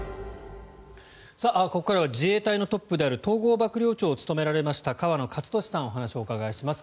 ここからは自衛隊のトップである統合幕僚長を務められました河野克俊さんにお話をお伺いします。